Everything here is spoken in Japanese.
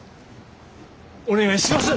お願いします！